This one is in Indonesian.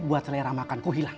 buat selera makan ku hilang